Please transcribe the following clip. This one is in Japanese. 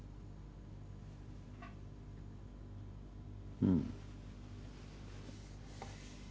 うん。